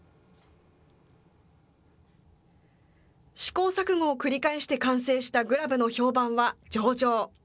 試行錯誤を繰り返して完成したグラブの評判は上々。